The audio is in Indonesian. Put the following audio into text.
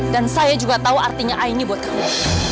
dan saya juga tahu artinya aini buat kamu